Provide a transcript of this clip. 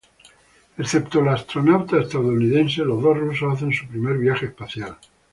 Excepto el astronauta estadounidense, los dos rusos hacen su primer viaje espacial.